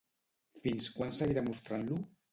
Fins quan seguirà mostrant-lo?